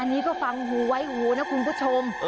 อันนี้ก็ฟังหูไว้หูนะคุณผู้ชม